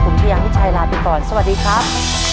ผมชายามิชัยลาไปก่อนสวัสดีครับ